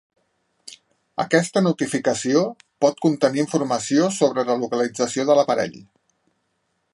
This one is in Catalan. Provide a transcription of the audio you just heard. Aquesta notificació pot contenir informació sobre la localització de l'aparell.